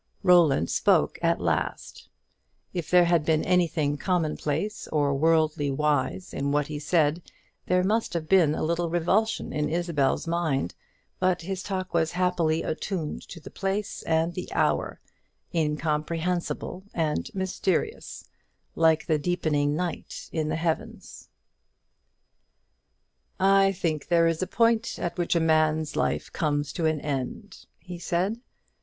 Roland spoke at last: if there had been anything common place or worldly wise in what he said, there must have been a little revulsion in Isabel's mind; but his talk was happily attuned to the place and the hour; incomprehensible and mysterious, like the deepening night in the heavens. "I think there is a point at which a man's life comes to an end," he said.